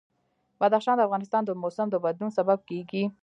بدخشان د افغانستان د موسم د بدلون سبب کېږي.